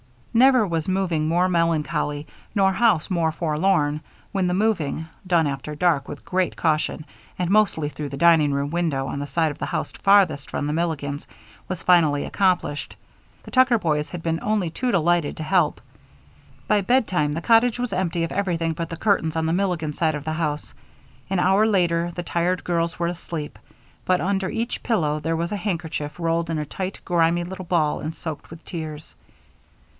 Never was moving more melancholy nor house more forlorn when the moving, done after dark with great caution, and mostly through the dining room window on the side of the house farthest from the Milligans, was finally accomplished. The Tucker boys had been only too delighted to help. By bedtime the cottage was empty of everything but the curtains on the Milligan side of the house. An hour later the tired girls were asleep; but under each pillow there was a handkerchief rolled in a tight, grimy little ball and soaked with tears.